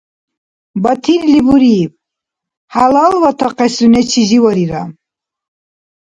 - Батирли буриб. ХӀялалватахъес сунечи живарира